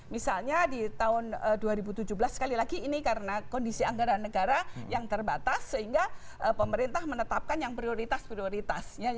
misalnya di tahun dua ribu tujuh belas sekali lagi ini karena kondisi anggaran negara yang terbatas sehingga pemerintah menetapkan yang prioritas prioritas